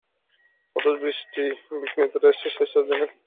অথচ বৃষ্টিবিঘ্নিত টেস্টের শেষ চার দিনে কয়েকবারই আকাশে রোদও দেখা গিয়েছিল।